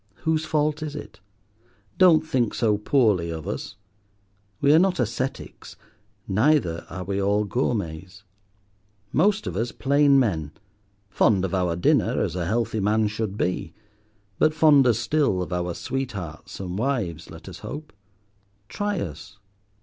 Whose fault is it? Don't think so poorly of us. We are not ascetics, neither are we all gourmets: most of us plain men, fond of our dinner, as a healthy man should be, but fonder still of our sweethearts and wives, let us hope. Try us.